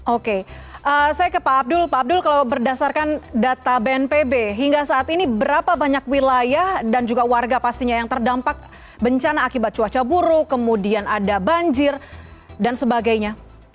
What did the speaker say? oke saya ke pak abdul pak abdul kalau berdasarkan data bnpb hingga saat ini berapa banyak wilayah dan juga warga pastinya yang terdampak bencana akibat cuaca buruk kemudian ada banjir dan sebagainya